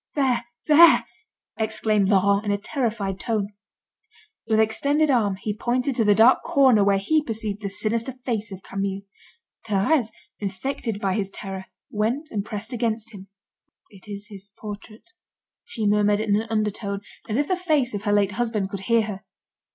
"There, there!" exclaimed Laurent in a terrified tone. With extended arm, he pointed to the dark corner where he perceived the sinister face of Camille. Thérèse, infected by his terror, went and pressed against him. "It is his portrait," she murmured in an undertone, as if the face of her late husband could hear her.